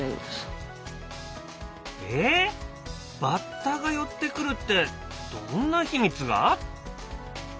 バッタが寄ってくるってどんな秘密が？